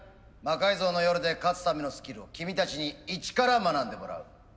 「魔改造の夜」で勝つためのスキルを君たちに一から学んでもらう。